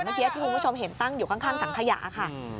เมื่อกี้ที่คุณผู้ชมเห็นตั้งอยู่ข้างถังขยะค่ะ